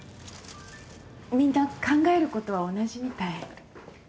みんな考えることは同じみたい。